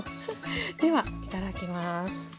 ではいただきます。